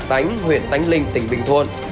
ở hồ tấn huyện tánh linh tỉnh bình thuân